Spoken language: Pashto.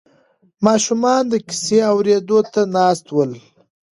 ماشومان د کیسې اورېدو ته ناست ول.